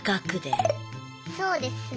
そうですね。